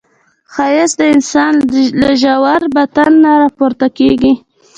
ښایست د انسان له ژور باطن نه راپورته کېږي